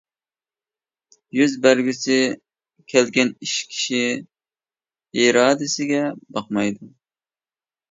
يۈز بەرگۈسى كەلگەن ئىش كىشى ئىرادىسىگە باقمايدۇ.